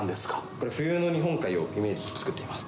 これ、冬の日本海をイメージして作っています。